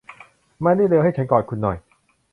มานี่เร็ว ให้ฉันกอดคุณหน่อย